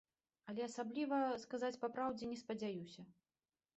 Але асабліва, сказаць па праўдзе, не спадзяюся.